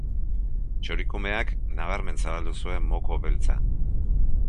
Txorikumeak nabarmen zabaldu zuen moko beltza.